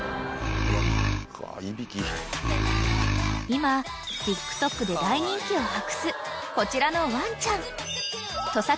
［今ＴｉｋＴｏｋで大人気を博すこちらのワンちゃん］